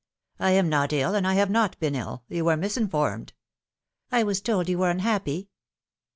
" I am not ill, and I have not been ill. You were mis informed." " I was told you were unhappy."